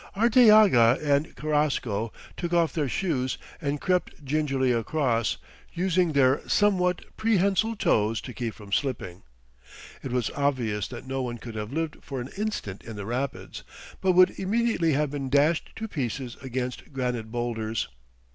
Arteaga and Carrasco took off their shoes and crept gingerly across, using their somewhat prehensile toes to keep from slipping. It was obvious that no one could have lived for an instant in the rapids, but would immediately have been dashed to pieces against granite boulders.